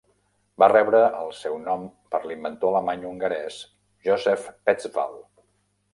Va rebre el seu nom per l'inventor alemany-hongarès Joseph Petzval.